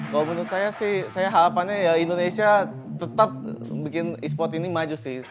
kalau menurut saya sih saya harapannya ya indonesia tetap bikin e sport ini maju sih